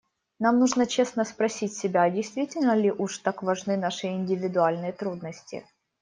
Нам нужно честно спросить себя, а действительно ли уж так важны наши индивидуальные трудности.